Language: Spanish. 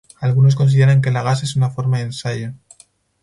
Algunos consideran que la gasa es una forma de ensayo.